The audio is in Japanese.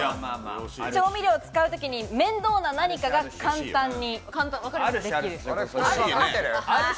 調味料を使うときに面倒な何かを簡単に。